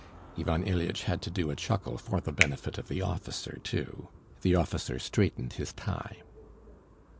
Ivan Ilyitch had to do a chuckle for the benefit of the officer too. The officer straightened his tie.